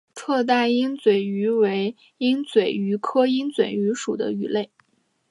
侧带鹦嘴鱼为鹦嘴鱼科鹦嘴鱼属的鱼类。